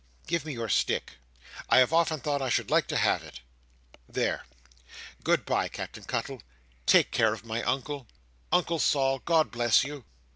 Give me your stick. I have often thought I should like to have it. There! Good bye, Captain Cuttle! Take care of my Uncle! Uncle Sol, God bless you!"